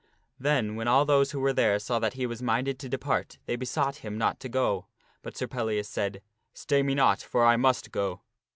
Then when all those who were there saw that he was minded to depart, they besought him not to go, but Sir Pellias said, " Stay me not, for I must go."